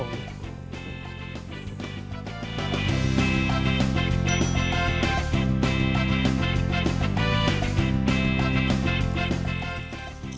อาหาร